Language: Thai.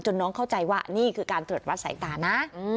น้องเข้าใจว่านี่คือการตรวจวัดสายตานะ